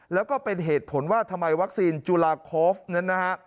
แล้วก็เป็นเหตุผลว่าทำไมวัคซีนจุลาโคฟนั้นนะฮะ